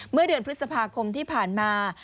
เมื่อเดือนพฤษภาคมที่ผ่านมา